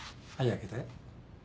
開けて。